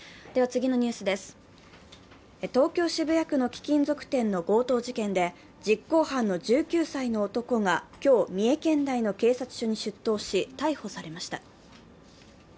東京・渋谷区の貴金属店の強盗事件で、実行犯の１９歳の男が今日、三重県内の警察署に出頭し逮捕されました。